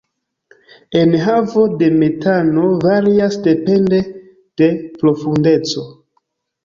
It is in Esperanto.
Enhavo de metano varias depende de profundeco.